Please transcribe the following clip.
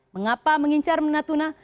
mengapa mengincar menatuna